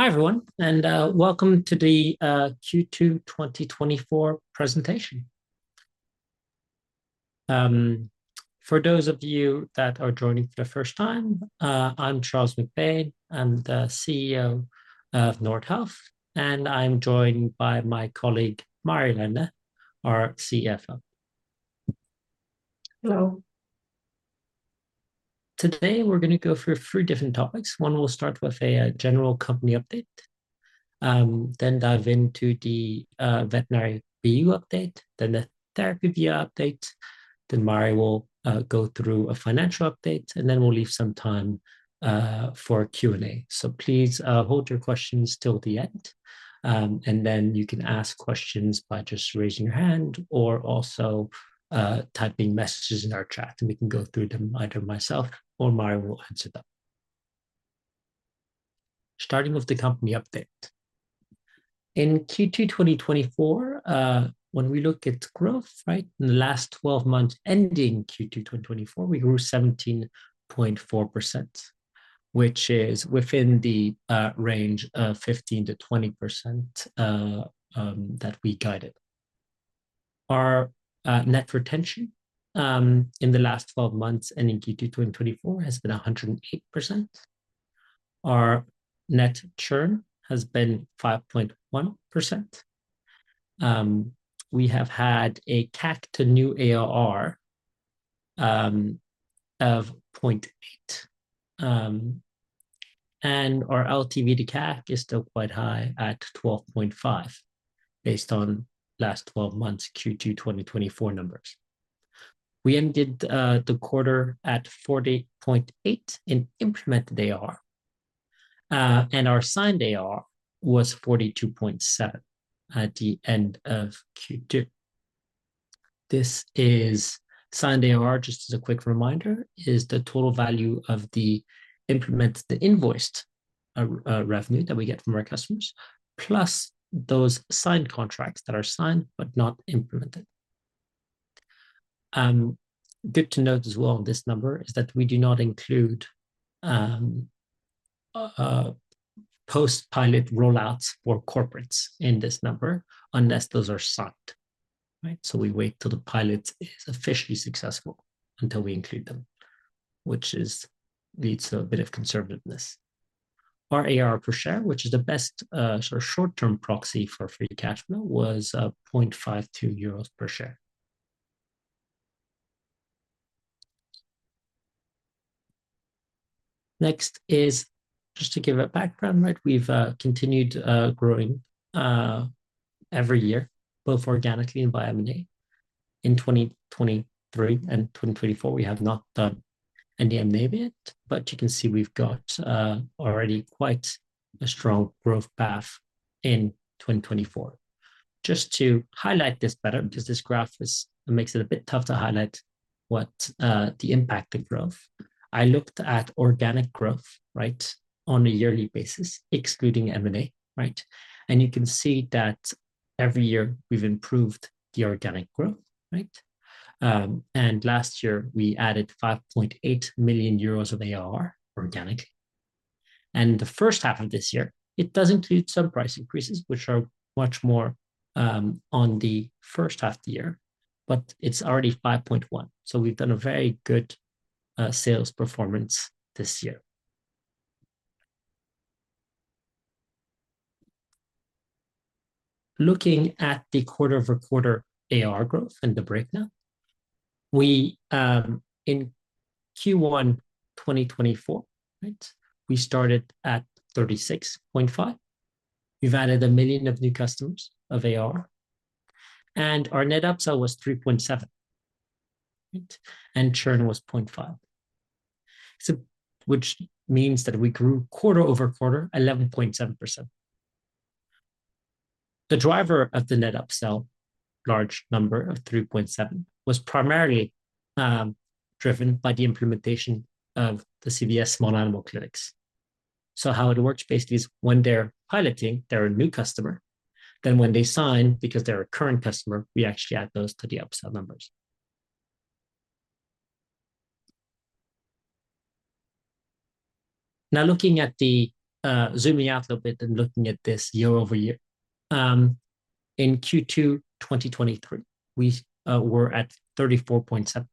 Hi, everyone, and welcome to the Q2 2024 presentation. For those of you that are joining for the first time, I'm Charles MacBain. I'm the CEO of Nordhealth, and I'm joined by my colleague, Mari-Leena Kuula, our CFO. Hello. Today, we're gonna go through three different topics. One, we'll start with a general company update, then dive into the veterinary BU update, then the therapy BU update, then Mari will go through a financial update, and then we'll leave some time for Q&A. So please hold your questions till the end, and then you can ask questions by just raising your hand or also typing messages in our chat, and we can go through them, either myself or Mari will answer them. Starting with the company update. In Q2 2024, when we look at growth, right, in the last twelve months ending Q2 2024, we grew 17.4%, which is within the range of 15%-20% that we guided. Our net retention in the last 12 months, and in Q2 2024, has been 108%. Our net churn has been 5.1%. We have had a CAC to new ARR of 0.8. And our LTV to CAC is still quite high at 12.5, based on last 12 months Q2 2024 numbers. We ended the quarter at 40.8 in implemented ARR, and our signed ARR was 42.7 at the end of Q2. This is signed ARR, just as a quick reminder, is the total value of the implemented, the invoiced revenue that we get from our customers, plus those signed contracts that are signed but not implemented. Good to note as well on this number is that we do not include post-pilot rollouts for corporates in this number, unless those are signed, right? So we wait till the pilot is officially successful until we include them, which is leads to a bit of conservativeness. Our ARR per share, which is the best sort of short-term proxy for free cash flow, was 0.52 euros per share. Next is just to give a background, right? We've continued growing every year, both organically and via M&A. In 2023 and 2024, we have not done any M&A yet, but you can see we've got already quite a strong growth path in 2024. Just to highlight this better, because this graph makes it a bit tough to highlight what the impact of growth, I looked at organic growth, right, on a yearly basis, excluding M&A, right? And you can see that every year we've improved the organic growth, right? And last year we added 5.8 million euros of ARR organically. And the first half of this year, it does include some price increases, which are much more on the first half of the year, but it's already 5.1 million, so we've done a very good sales performance this year. Looking at the quarter over quarter ARR growth and the breakdown, we in Q1 2024, right, we started at 36.5. We've added 1 million of new customers of ARR, and our net upsell was 3.7, right, and churn was 0.5. Which means that we grew quarter over quarter, 11.7%. The driver of the net upsell, large number of 3.7, was primarily driven by the implementation of the CVS small animal clinics. How it works, basically, is when they're piloting, they're a new customer, then when they sign, because they're a current customer, we actually add those to the upsell numbers. Now, looking at the zooming out a little bit and looking at this year over year in Q2 2023, we were at 34.7.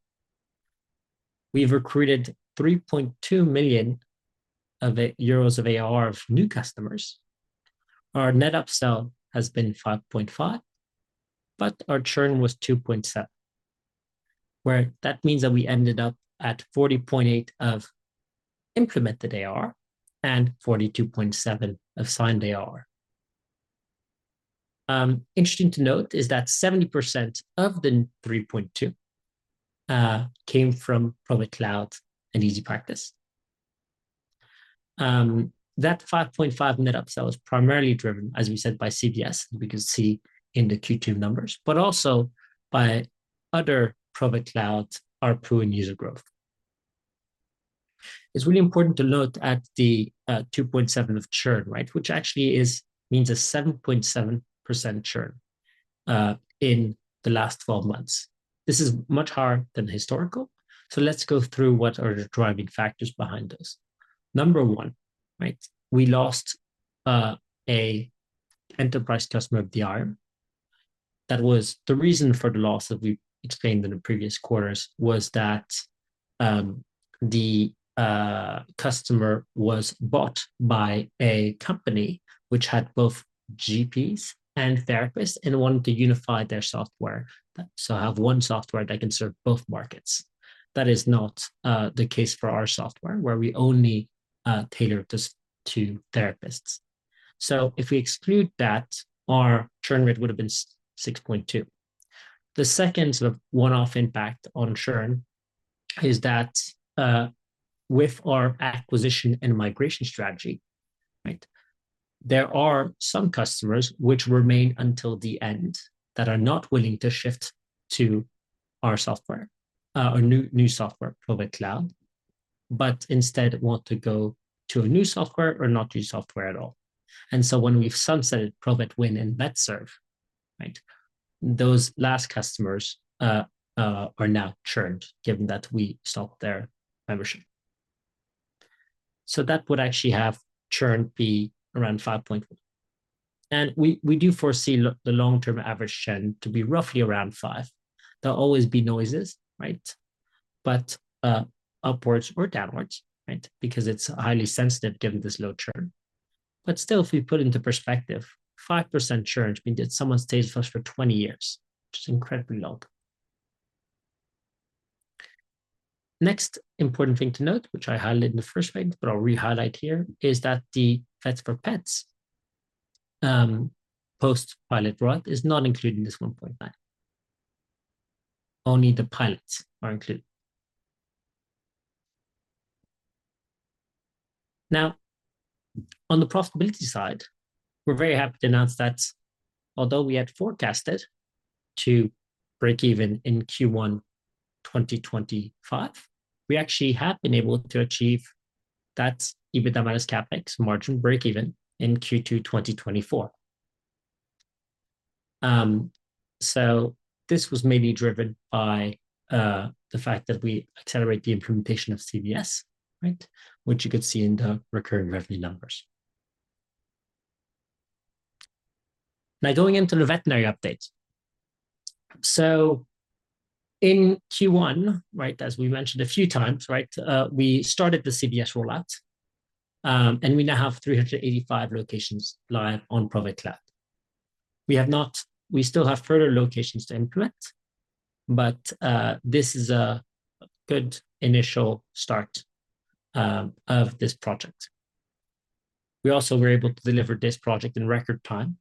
We've recruited 3.2 million euros of ARR of new customers. Our net upsell has been 5.5, but our churn was 2.7, where that means that we ended up at 40.8 of implemented ARR and 42.7 of signed ARR. Interesting to note is that 70% of the 3.2 came from Provet Cloud and EasyPractice. That 5.5 net upsell was primarily driven, as we said, by CVS, we can see in the Q2 numbers, but also by other Provet Cloud, ARPU, and user growth. It's really important to look at the 2.7 of churn, right? Which actually means a 7.7% churn in the last twelve months. This is much higher than historical, so let's go through what are the driving factors behind this. Number one, right, we lost an enterprise customer of DR. That was the reason for the loss that we explained in the previous quarters, was that, the customer was bought by a company which had both GPs and therapists and wanted to unify their software, so have one software that can serve both markets. That is not the case for our software, where we only tailor just to therapists. So if we exclude that, our churn rate would have been 6.2%. The second sort of one-off impact on churn is that, with our acquisition and migration strategy, right, there are some customers which remain until the end, that are not willing to shift to our software, our new software, Provet Cloud, but instead want to go to a new software or not do software at all. And so when we've sunsetted Provet Win and VetServe, right? Those last customers are now churned, given that we stopped their membership. So that would actually have churn be around five point. We do foresee the long-term average churn to be roughly around five. There'll always be noises, right, but upwards or downwards, right, because it's highly sensitive given this low churn, but still, if we put into perspective, 5% churn means that someone stays with us for 20 years, which is incredibly long. Next important thing to note, which I highlighted in the first slide, but I'll re-highlight here, is that the Vets for Pets post-pilot rollout is not included in this 1.9. Only the pilots are included. Now, on the profitability side, we're very happy to announce that although we had forecasted to break even in Q1 2025, we actually have been able to achieve that EBITDA less CapEx margin break-even in Q2 2024. So this was mainly driven by the fact that we accelerate the implementation of CVS, right? Which you could see in the recurring revenue numbers. Now, going into the veterinary update. So in Q1, right, as we mentioned a few times, right, we started the CVS rollout, and we now have 385 locations live on Provet Cloud. We still have further locations to implement, but this is a good initial start of this project. We also were able to deliver this project in record time,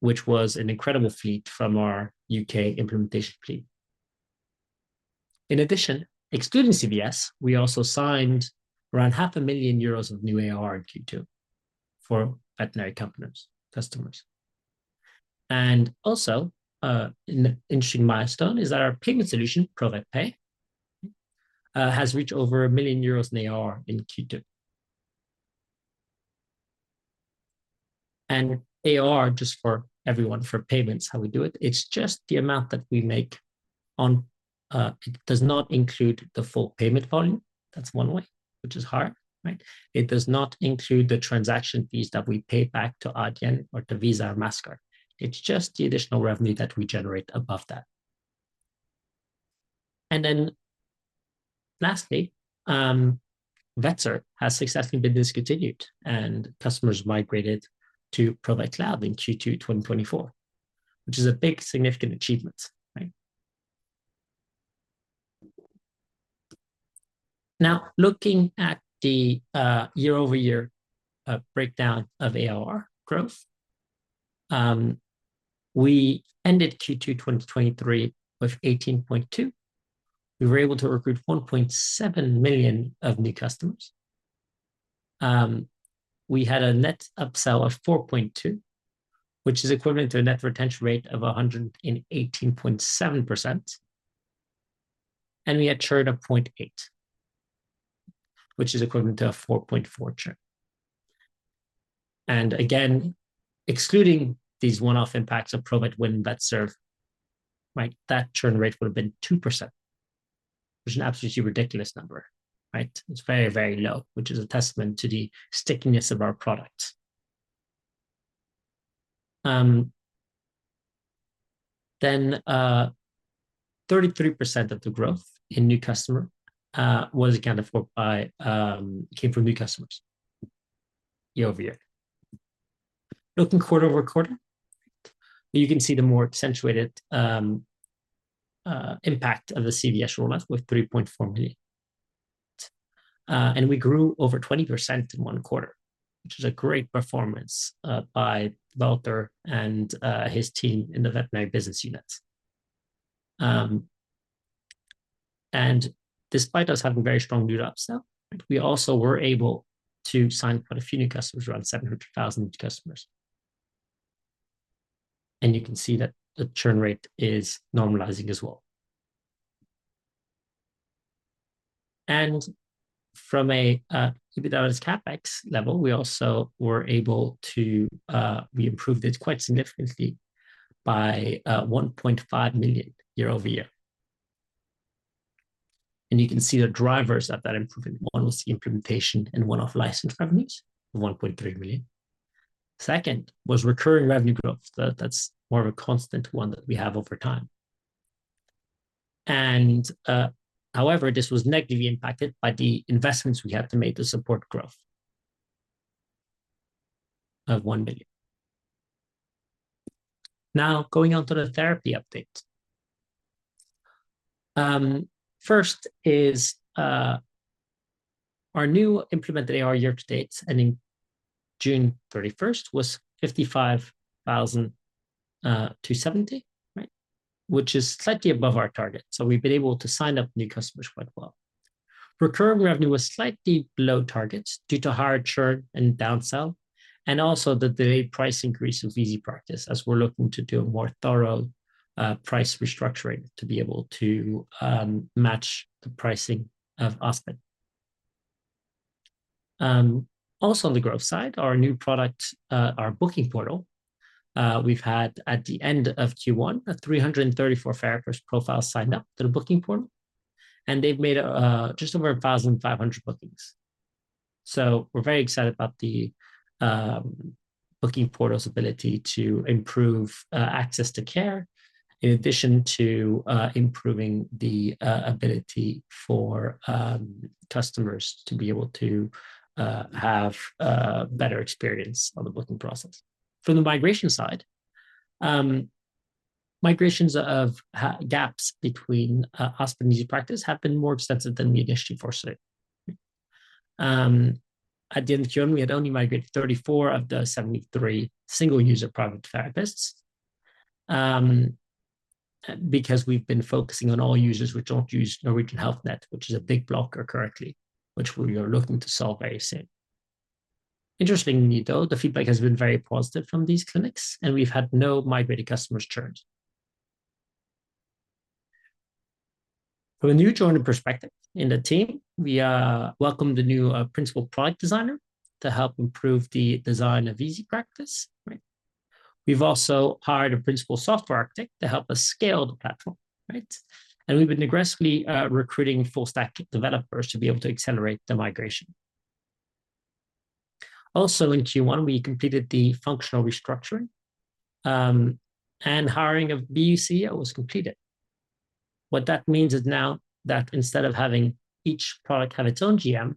which was an incredible feat from our UK implementation team. In addition, excluding CVS, we also signed around 500,000 euros of new ARR in Q2 for veterinary customers. Also, an interesting milestone is that our payment solution, Provet Pay, has reached over 1,000,000 euros in ARR in Q2. And ARR, just for everyone, for payments, how we do it, it's just the amount that we make on, it does not include the full payment volume. That's one way, which is hard, right? It does not include the transaction fees that we pay back to Adyen or to Visa or Mastercard. It's just the additional revenue that we generate above that. And then lastly, Vetserv has successfully been discontinued, and customers migrated to Provet Cloud in Q2 2024, which is a big significant achievement, right? Now, looking at the year-over-year breakdown of ARR growth. We ended Q2 2023 with 18.2. We were able to recruit 1.7 million of new customers. We had a net upsell of 4.2 million, which is equivalent to a net retention rate of 118.7%, and we had churn of 0.8 million, which is equivalent to a 4.4% churn. Again, excluding these one-off impacts of Provet Win and Vetserv, that churn rate would have been 2%, which is an absolutely ridiculous number, right? It's very, very low, which is a testament to the stickiness of our products. Thirty-three percent of the growth in new customer was accounted for by, came from new customers year-over-year. Looking quarter over quarter, you can see the more accentuated impact of the CVS rollout with 3.4 million. And we grew over 20% in one quarter, which is a great performance by Valter and his team in the veterinary business unit. And despite us having very strong net upsell, we also were able to sign quite a few new customers, around 700,000 customers. And you can see that the churn rate is normalizing as well. And from a EBITDA CapEx level, we also were able to improve it quite significantly by EUR 1.5 million year-over-year. And you can see the drivers of that improvement. One was the implementation and one-off license revenues, 1.3 million. Second was recurring revenue growth. That's more of a constant one that we have over time. And however, this was negatively impacted by the investments we had to make to support growth of 1 million. Now, going on to the therapy update. First is, our new implemented ARR year-to-date, ending June thirty-first, was 55,270, right? Which is slightly above our target, so we've been able to sign up new customers quite well. Recurring revenue was slightly below targets due to higher churn and down sell, and also the delayed price increase of EasyPractice, as we're looking to do a more thorough, price restructuring to be able to, match the pricing of Aspit. Also on the growth side, our new product, our booking portal, we've had, at the end of Q1, 334 therapist profiles signed up to the booking portal, and they've made, just over 1,500 bookings. So we're very excited about the booking portal's ability to improve access to care, in addition to improving the ability for customers to be able to have better experience on the booking process. From the migration side, migrations of gaps between Aspit and EasyPractice have been more extensive than we initially forecasted. At the end of June, we had only migrated 34 of the 73 single-user private therapists, because we've been focusing on all users which don't use Norwegian Health Net, which is a big blocker currently, which we are looking to solve very soon. Interestingly, though, the feedback has been very positive from these clinics, and we've had no migrated customers churned. From a new joiner perspective, in the team, we welcomed a new principal product designer to help improve the design of EasyPractice, right? We've also hired a principal software architect to help us scale the platform, right? And we've been aggressively recruiting full stack developers to be able to accelerate the migration. Also in Q1, we completed the functional restructuring, and hiring of BCE was completed. What that means is now that instead of having each product have its own GM,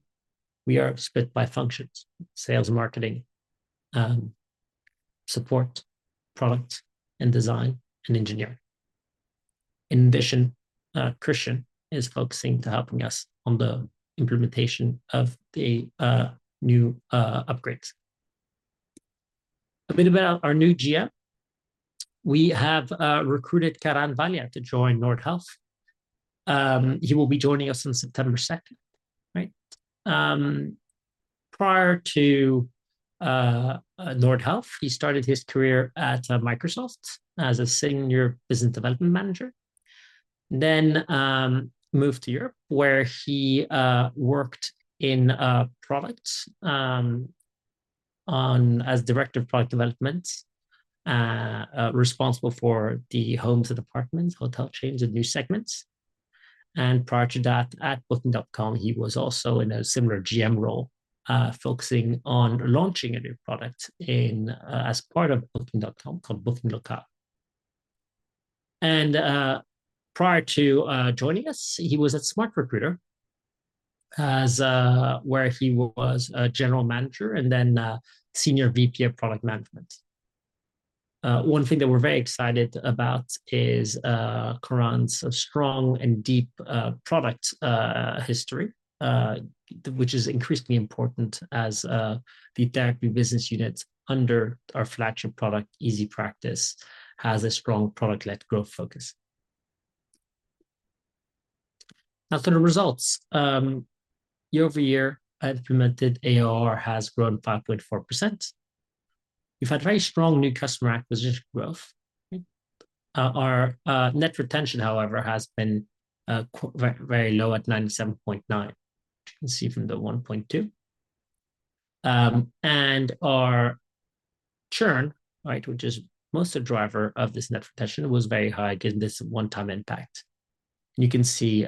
we are split by functions: sales, marketing, support, product, and design, and engineering. In addition, Christian is focusing to helping us on the implementation of the new upgrades. A bit about our new GM. We have recruited Karan Walia to join Nordhealth. He will be joining us on September second, right? Prior to Nordhealth, he started his career at Microsoft as a Senior Business Development Manager, then moved to Europe, where he worked in product as Director of Product Development, responsible for the homes and apartments, hotel chains, and new segments, and prior to that, at Booking.com, he was also in a similar GM role, focusing on launching a new product as part of Booking.com, called Booking Local, and prior to joining us, he was at SmartRecruiters, where he was a General Manager, and then Senior VP of Product Management. One thing that we're very excited about is Karan's strong and deep product history, which is increasingly important as the therapy business units under our flagship product, EasyPractice, has a strong product-led growth focus. Now for the results. Year-over-year, implemented ARR has grown 5.4%. We've had very strong new customer acquisition growth, our net retention, however, has been very, very low at 97.9%. You can see from the 1.2. And our churn, right, which is mostly the driver of this net retention, was very high, given this one-time impact. And you can see,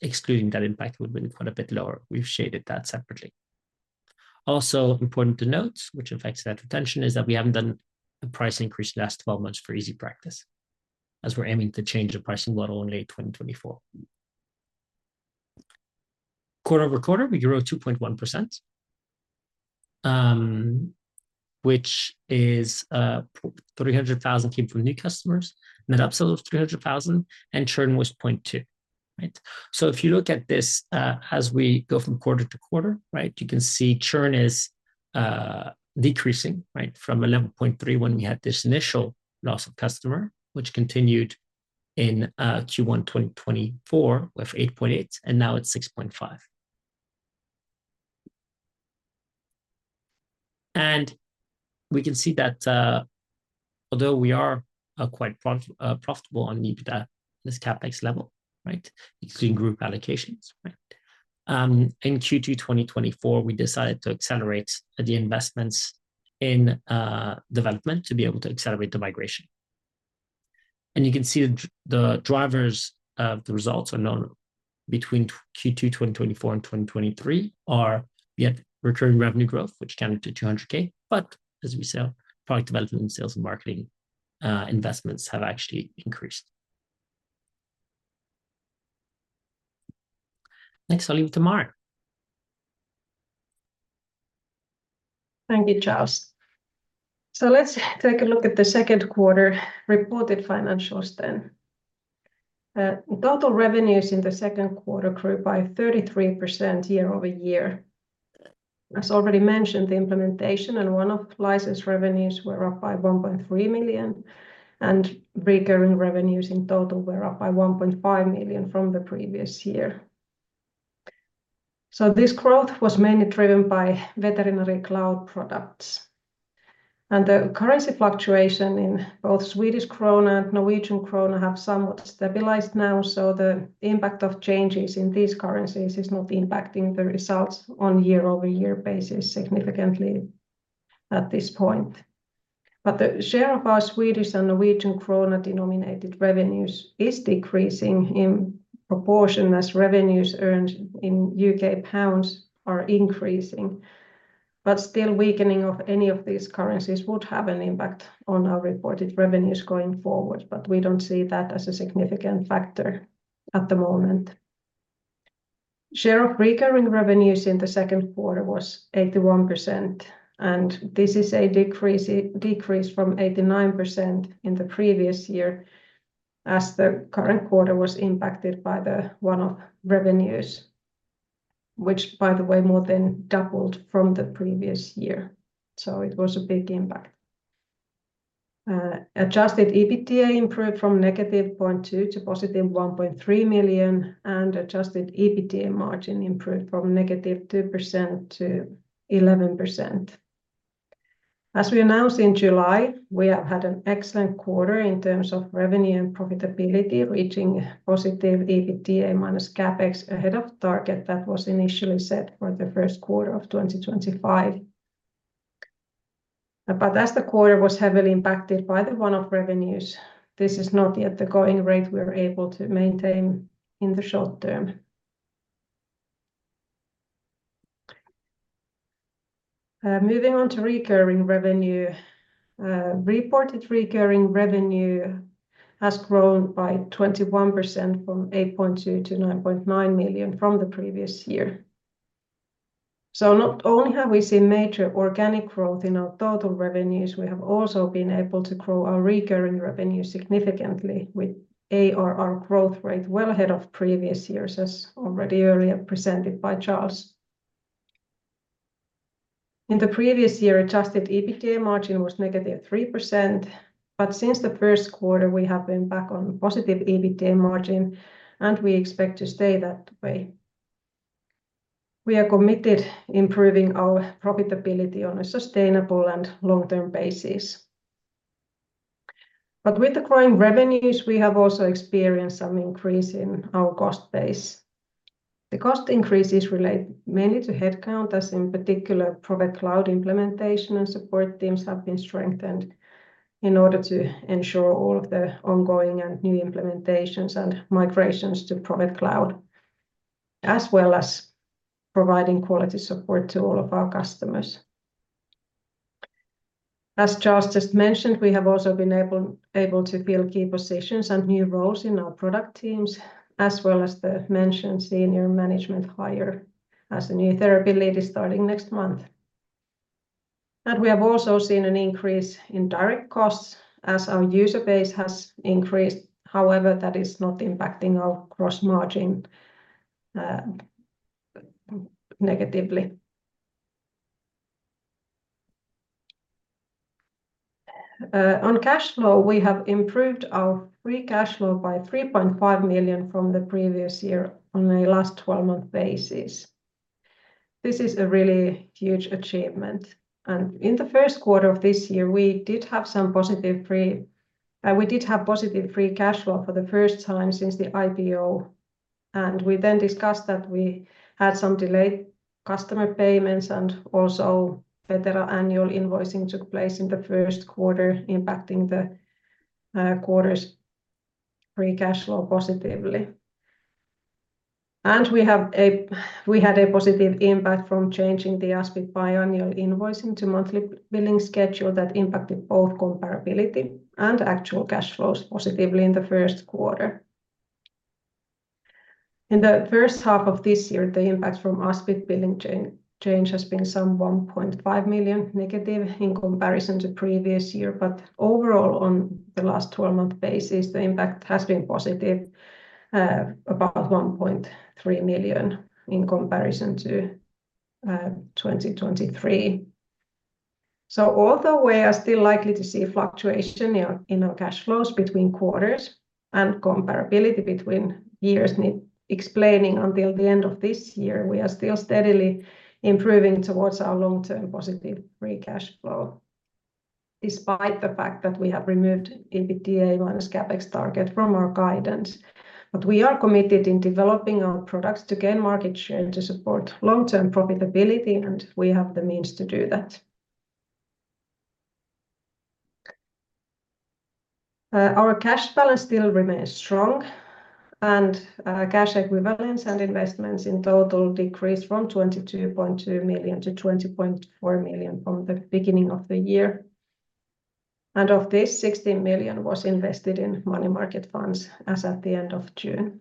excluding that impact, it would've been quite a bit lower. We've shaded that separately. Also important to note, which affects net retention, is that we haven't done a price increase in the last twelve months for EasyPractice, as we're aiming to change the pricing model in late 2024. Quarter over quarter, we grew 2.1%, which is, 300,000 came from new customers, net upsell of 300,000, and churn was 0.2%, right? So if you look at this, as we go from quarter to quarter, right, you can see churn is, decreasing, right? From 11.3% when we had this initial loss of customer, which continued in, Q1 2024, with 8.8%, and now it's 6.5%. And we can see that, although we are, quite profitable on EBITDA, this CapEx level, right? Including group allocations, right? In Q2 2024, we decided to accelerate the investments in, development to be able to accelerate the migration. You can see the drivers of the results are known between Q2 2024 and 2023 are we have recurring revenue growth, which came to 200K, but as we sell, product development and sales and marketing investments have actually increased. Next, I'll leave to Mari. Thank you, Charles. So let's take a look at the second quarter reported financials then. Total revenues in the second quarter grew by 33% year over year. As already mentioned, the implementation and one-off license revenues were up by 1.3 million, and recurring revenues in total were up by 1.5 million from the previous year. So this growth was mainly driven by veterinary cloud products, and the currency fluctuation in both Swedish krona and Norwegian krona have somewhat stabilized now. So the impact of changes in these currencies is not impacting the results on year-over-year basis significantly at this point. But the share of our Swedish and Norwegian krona-denominated revenues is decreasing in proportion as revenues earned in UK pounds are increasing. But still, weakening of any of these currencies would have an impact on our reported revenues going forward, but we don't see that as a significant factor at the moment. Share of recurring revenues in the second quarter was 81%, and this is a decrease from 89% in the previous year, as the current quarter was impacted by the one-off revenues, which, by the way, more than doubled from the previous year. So it was a big impact. Adjusted EBITDA improved from negative 0.2 million EUR to positive 1.3 million EUR, and adjusted EBITDA margin improved from negative 2% to 11%. As we announced in July, we have had an excellent quarter in terms of revenue and profitability, reaching positive EBITDA minus CapEx ahead of target that was initially set for the first quarter of 2025. But as the quarter was heavily impacted by the one-off revenues, this is not yet the going rate we are able to maintain in the short term. Moving on to recurring revenue. Reported recurring revenue has grown by 21% from 8.2 million to 9.9 million from the previous year. So not only have we seen major organic growth in our total revenues, we have also been able to grow our recurring revenue significantly with ARR growth rate well ahead of previous years, as already earlier presented by Charles. In the previous year, adjusted EBITDA margin was negative 3%, but since the first quarter, we have been back on positive EBITDA margin, and we expect to stay that way. We are committed improving our profitability on a sustainable and long-term basis. But with the growing revenues, we have also experienced some increase in our cost base. The cost increases relate mainly to headcount, as in particular, Provet Cloud implementation and support teams have been strengthened in order to ensure all of the ongoing and new implementations and migrations to Provet Cloud, as well as providing quality support to all of our customers. As Charles just mentioned, we have also been able to fill key positions and new roles in our product teams, as well as the mentioned senior management hire as a new therapy lead starting next month. And we have also seen an increase in direct costs as our user base has increased. However, that is not impacting our gross margin negatively. On cash flow, we have improved our free cash flow by 3.5 million from the previous year on a last twelve-month basis. This is a really huge achievement, and in the first quarter of this year, we did have positive free cash flow for the first time since the IPO, and we then discussed that we had some delayed customer payments, and also federal annual invoicing took place in the first quarter, impacting the quarter's free cash flow positively. We had a positive impact from changing the Aspit biannual invoicing to monthly billing schedule that impacted both comparability and actual cash flows positively in the first quarter. In the first half of this year, the impact from Aspit billing change has been some 1.5 million negative in comparison to previous year, but overall, on the last twelve-month basis, the impact has been positive, about 1.3 million in comparison to 2023. Although we are still likely to see a fluctuation in our cash flows between quarters, and comparability between years need explaining until the end of this year, we are still steadily improving towards our long-term positive free cash flow, despite the fact that we have removed EBITDA minus CapEx target from our guidance. We are committed in developing our products to gain market share and to support long-term profitability, and we have the means to do that. Our cash balance still remains strong, and cash equivalents and investments in total decreased from 22.2 million to 20.4 million from the beginning of the year. Of this, 16 million was invested in money market funds as at the end of June.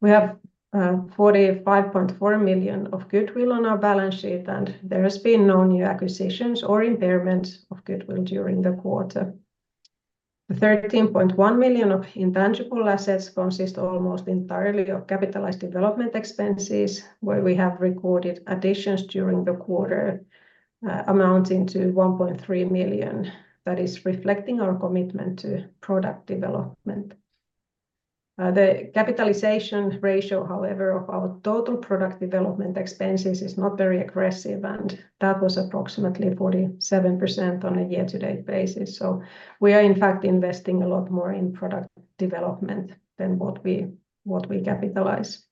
We have 45.4 million of goodwill on our balance sheet, and there has been no new acquisitions or impairments of goodwill during the quarter. The 13.1 million of intangible assets consist almost entirely of capitalized development expenses, where we have recorded additions during the quarter amounting to 1.3 million. That is reflecting our commitment to product development. The capitalization ratio, however, of our total product development expenses is not very aggressive, and that was approximately 47% on a year-to-date basis. So we are in fact investing a lot more in product development than what we capitalize.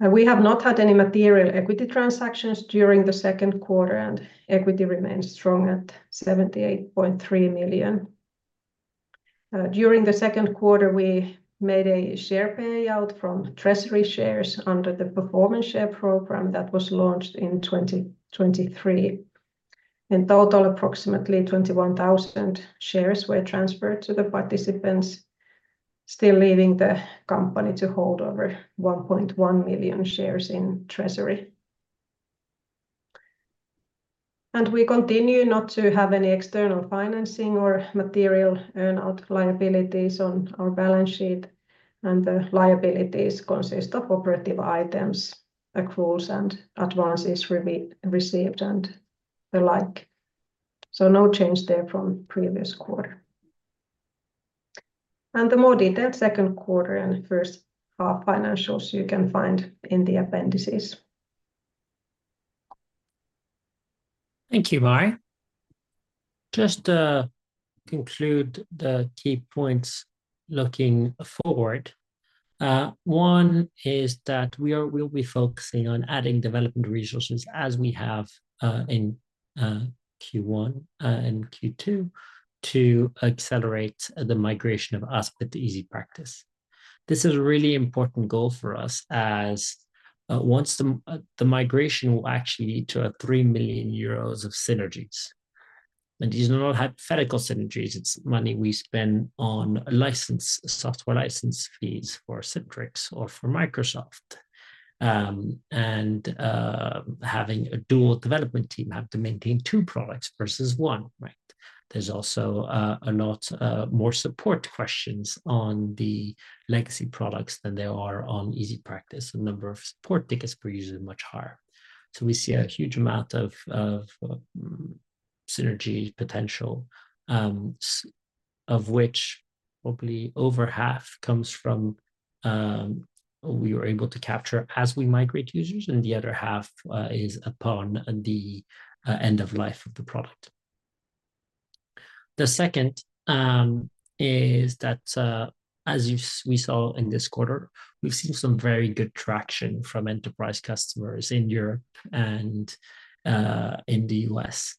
We have not had any material equity transactions during the second quarter, and equity remains strong at 78.3 million. During the second quarter, we made a share payout from treasury shares under the performance share program that was launched in 2023. In total, approximately 21,000 shares were transferred to the participants, still leaving the company to hold over 1.1 million shares in treasury. We continue not to have any external financing or material earn-out liabilities on our balance sheet, and the liabilities consist of operative items, accruals, and advances received, and the like. No change there from previous quarter. The more detailed second quarter and first half financials you can find in the appendices. Thank you, Mari. Just to conclude the key points looking forward, one is that we'll be focusing on adding development resources as we have in Q1 and Q2 to accelerate the migration of Aspit to EasyPractice. This is a really important goal for us, as once the migration will actually lead to 3 million euros of synergies. These are not hypothetical synergies, it's money we spend on license, software license fees for Citrix or for Microsoft, and having a dual development team have to maintain two products versus one, right? There's also a lot more support questions on the legacy products than there are on EasyPractice. The number of support tickets per user is much higher. So we see a huge amount of synergy potential, of which hopefully over half comes from we were able to capture as we migrate users, and the other half is upon the end of life of the product. The second is that as we saw in this quarter, we've seen some very good traction from enterprise customers in Europe and in the U.S.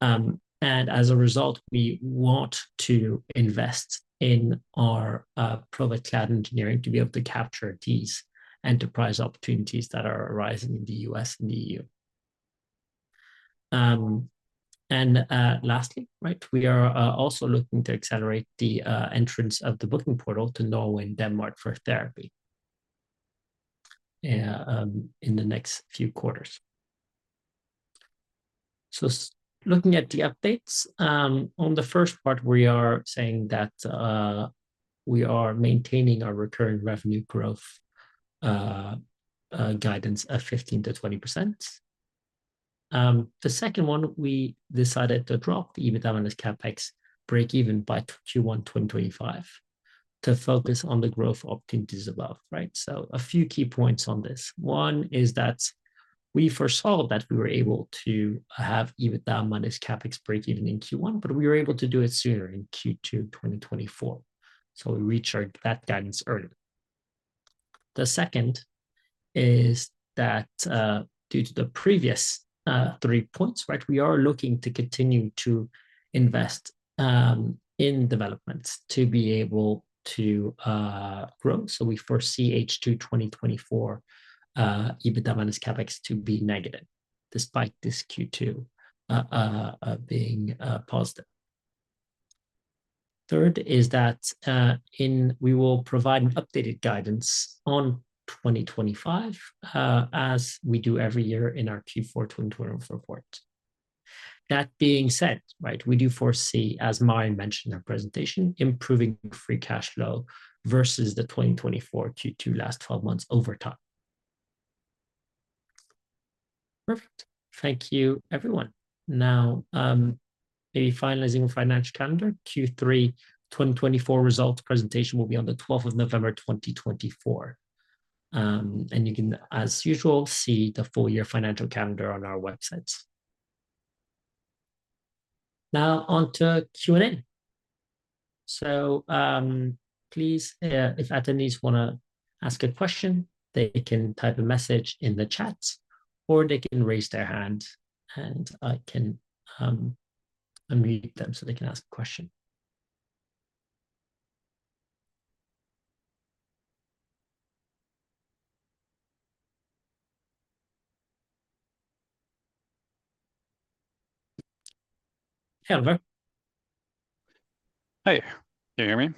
And as a result, we want to invest in our Provet Cloud engineering to be able to capture these enterprise opportunities that are arising in the U.S. and the E.U. And lastly, right, we are also looking to accelerate the entrance of the booking portal to Norway and Denmark for therapy in the next few quarters. So, looking at the updates, on the first part, we are saying that we are maintaining our recurring revenue growth guidance of 15%-20%. The second one, we decided to drop the EBITDA minus CapEx breakeven by Q1 2025 to focus on the growth opportunities above, right, so a few key points on this. One is that we foresaw that we were able to have EBITDA minus CapEx breakeven in Q1, but we were able to do it sooner, in Q2 2024, so we reached our that guidance early. The second is that due to the previous three points, right, we are looking to continue to invest in developments to be able to grow, so we foresee H2 2024 EBITDA minus CapEx to be negative, despite this Q2 being positive. Third is that, we will provide an updated guidance on 2025, as we do every year in our Q4 2024 report. That being said, right? We do foresee, as Martin mentioned in our presentation, improving free cash flow versus the 2024 Q2 last twelve months over time. Perfect. Thank you, everyone. Now, finalizing financial calendar, Q3 2024 results presentation will be on the twelfth of November, 2024. And you can, as usual, see the full year financial calendar on our website. Now on to Q&A. So, please, if attendees wanna ask a question, they can type a message in the chat, or they can raise their hand, and I can unmute them so they can ask a question. Hello. Hi, can you hear me?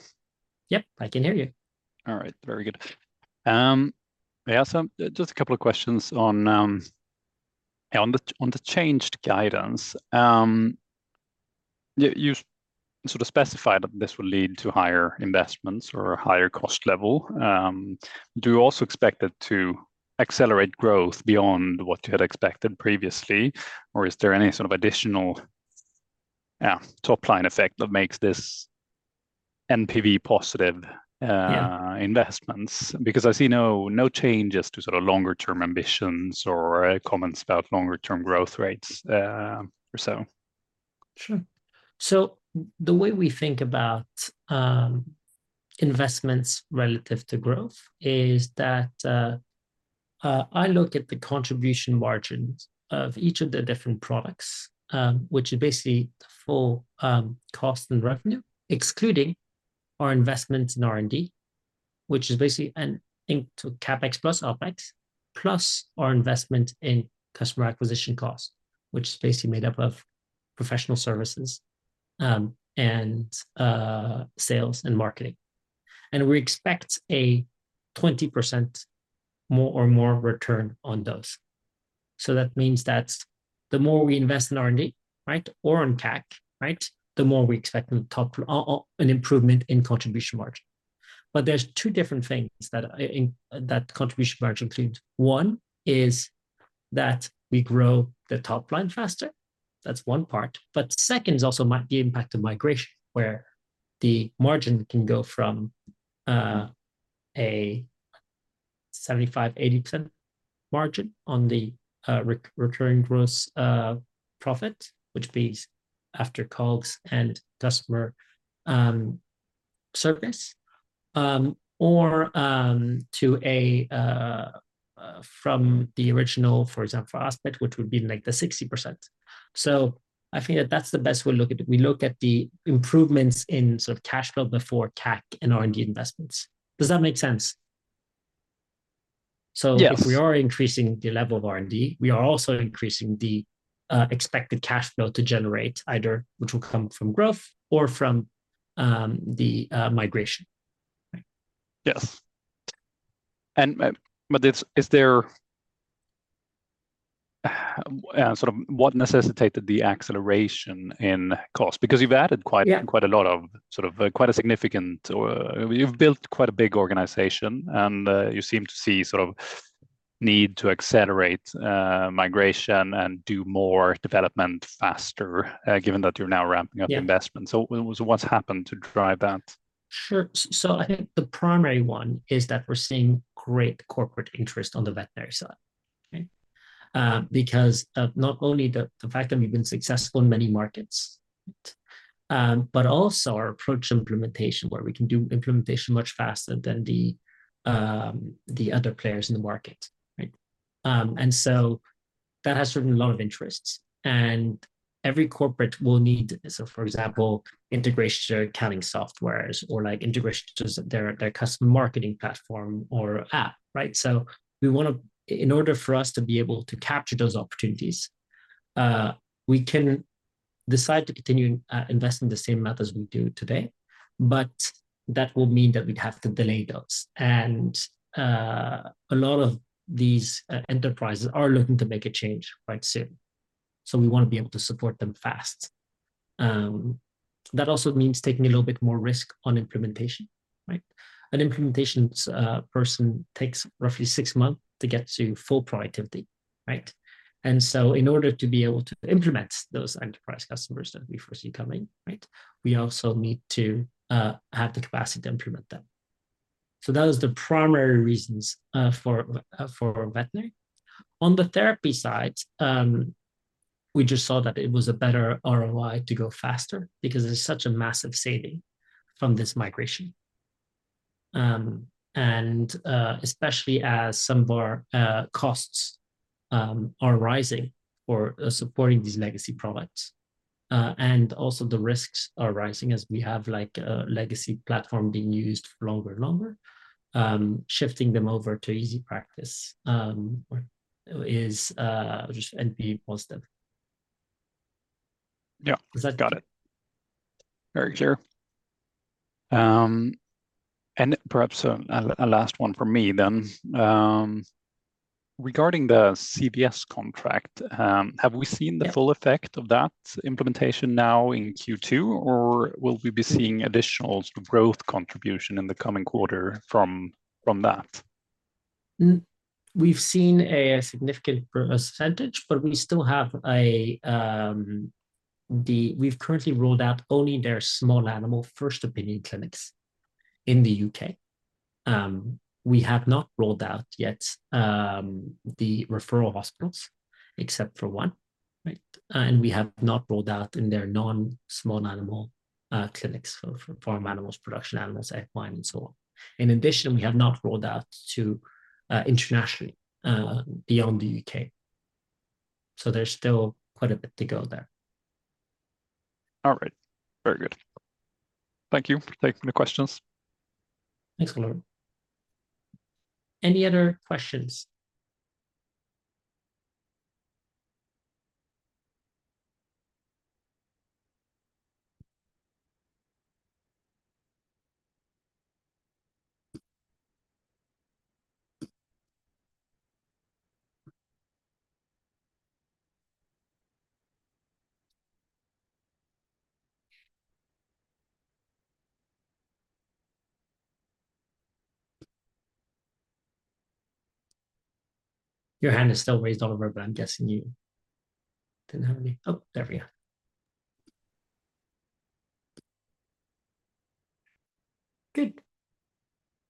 Yep, I can hear you. All right. Very good. I have just a couple of questions on the changed guidance. You sort of specified that this will lead to higher investments or higher cost level. Do you also expect it to accelerate growth beyond what you had expected previously? Or is there any sort of additional top-line effect that makes this NPV positive? Yeah... investments? Because I see no, no changes to sort of longer term ambitions or comments about longer term growth rates, or so. Sure. So the way we think about investments relative to growth is that I look at the contribution margins of each of the different products, which is basically the full cost and revenue, excluding our investment in R&D, which is basically a link to CapEx plus OpEx, plus our investment in customer acquisition costs, which is basically made up of professional services and sales and marketing. And we expect a 20% or more return on those. So that means that the more we invest in R&D, right, or on CAC, right, the more we expect on top an improvement in contribution margin. But there's two different things that that contribution margin includes. One is that we grow the top line faster. That's one part, but second is also the impact of migration, where the margin can go from a 75-80% margin on the recurring gross profit, which is after COGS and customer service to a from the original, for example, Aspit, which would be like the 60%. So I think that's the best way to look at it. We look at the improvements in sort of cash flow before CAC and R&D investments. Does that make sense? Yes. So if we are increasing the level of R&D, we are also increasing the expected cash flow to generate, either which will come from growth or from the migration. Yes. Is there sort of what necessitated the acceleration in cost? Because you've added- Yeah... quite, quite a lot of, sort of, quite a significant or you've built quite a big organization, and, you seem to see sort of need to accelerate, migration and do more development faster, given that you're now ramping up- Yeah... investments. So what, what's happened to drive that? Sure. So I think the primary one is that we're seeing great corporate interest on the veterinary side, okay? Because of not only the fact that we've been successful in many markets, but also our approach to implementation, where we can do implementation much faster than the other players in the market, right? And so that has driven a lot of interests, and every corporate will need, so for example, integration accounting softwares or like integration to their customer marketing platform or app, right? So we wanna... In order for us to be able to capture those opportunities, we can decide to continue investing the same amount as we do today, but that will mean that we'd have to delay those. And a lot of these enterprises are looking to make a change quite soon. So we want to be able to support them fast. That also means taking a little bit more risk on implementation, right? An implementation's person takes roughly six months to get to full productivity, right? And so in order to be able to implement those enterprise customers that we foresee coming, right, we also need to have the capacity to implement them. That is the primary reasons for veterinary. On the therapy side, we just saw that it was a better ROI to go faster because it's such a massive saving from this migration. And especially as some of our costs are rising for supporting these legacy products, and also the risks are rising as we have, like, a legacy platform being used for longer and longer. Shifting them over to EasyPractice is just NPV positive. Yeah. Does that- Got it. Very clear, and perhaps a last one from me then. Regarding the CVS contract, have we seen the full effect of that implementation now in Q2? Or will we be seeing additional growth contribution in the coming quarter from that? We've seen a significant percentage, but we still have. We've currently rolled out only their small animal first opinion clinics in the UK. We have not rolled out yet the referral hospitals, except for one, right? And we have not rolled out in their non-small animal clinics, for farm animals, production animals, equine, and so on. In addition, we have not rolled out to internationally beyond the UK. So there's still quite a bit to go there. All right. Very good. Thank you for taking the questions. Thanks, Oliver. Any other questions? Your hand is still raised, Oliver, but I'm guessing you didn't have any... Oh, there we are. Good.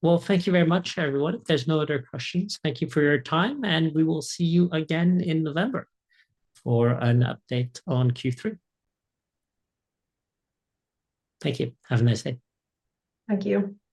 Well, thank you very much, everyone. If there's no other questions, thank you for your time, and we will see you again in November for an update on Q3. Thank you. Have a nice day. Thank you.